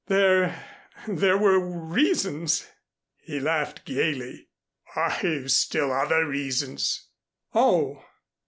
There there were reasons." He laughed gayly. "I've still other reasons." "Oh!"